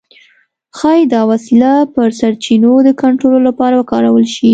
ښايي دا وسیله پر سرچینو د کنټرول لپاره وکارول شي.